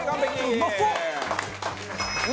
うまそう！